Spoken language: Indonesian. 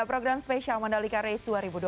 program spesial mandalika race dua ribu dua puluh